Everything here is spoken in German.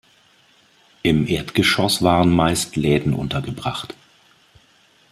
Im Erdgeschoss waren meist Läden untergebracht.